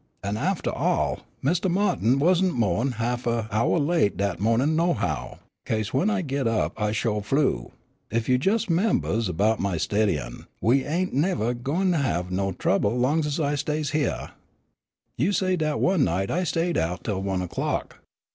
An' aftah all, Mistah Ma'tin wasn't mo' 'n half an houah late dat mo'nin' nohow, 'case w'en I did git up I sholy flew. Ef you jes' 'membahs 'bout my steadyin' we ain't nevah gwine have no trouble long's I stays hyeah. "You say dat one night I stayed out tell one o'clock.